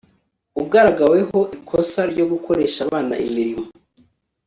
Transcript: ugaragaweho ikosa ryo gukoresha abana imirimo